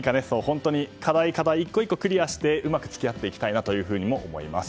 課題を１個１個クリアしてうまく付き合っていきたいなというふうにも思います。